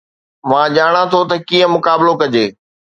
مان ڄاڻان ٿو ته ڪيئن مقابلو ڪجي